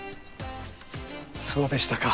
そうでしたか